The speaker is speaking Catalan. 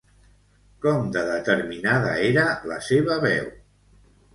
Com de determinada era la seva veu?